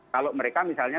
kalau mereka misalnya